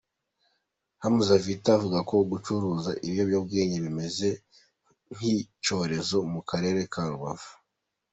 Hamza Vita avuga ko gucuruza ibiyobyabwenge bimeze nk’icyorezo mu karere ka Rubavu.